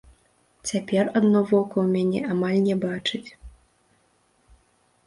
Цяпер адно вока ў мяне амаль не бачыць.